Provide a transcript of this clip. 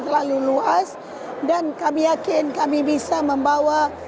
terlalu luas dan kami yakin kami bisa membawa